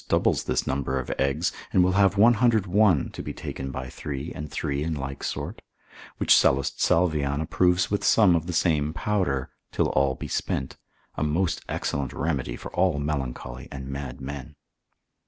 doubles this number of eggs, and will have 101 to be taken by three and three in like sort, which Sallust Salvian approves de red. med. lib. 2. c. 1. with some of the same powder, till all be spent, a most excellent remedy for all melancholy and mad men.